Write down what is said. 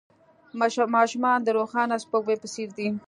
ماشومان د روښانه سپوږمۍ په څېر دي.